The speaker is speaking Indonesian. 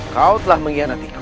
kau telah mengkhianati kau